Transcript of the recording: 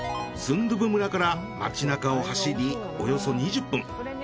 スンドゥブ村から街なかを走りおよそ２０分。